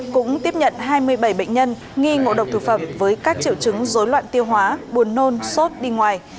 cũng tiếp nhận hai mươi bảy bệnh nhân nghi ngộ độc thực phẩm với các triệu chứng dối loạn tiêu hóa buồn nôn sốt đi ngoài